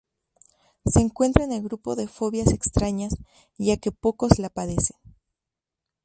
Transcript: Se encuentra en el grupo de fobias extrañas, ya que pocos la padecen.